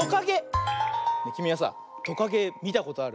きみはさトカゲみたことある？